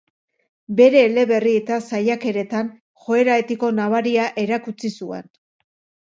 Bere eleberri eta saiakeretan joera etiko nabaria erakutsi zuen.